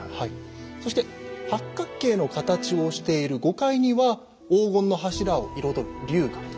そして八角形の形をしている５階には黄金の柱を彩る龍が。